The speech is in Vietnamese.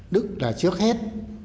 đức là trước hết